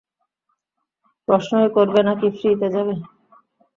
প্রশ্ন-ই করবে নাকি ফ্রিতে যাবে?